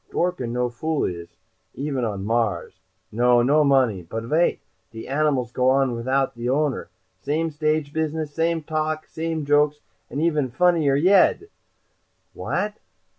"Dworken no fool is, even on Mars. No, no money. But wait! De animals go on without the owner. Same stage business, same talk, same jokes, and even funnier yedt. What?"